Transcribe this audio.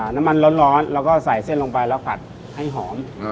น้ำมันร้อนแล้วก็ใส่เส้นลงไปแล้วผัดให้หอม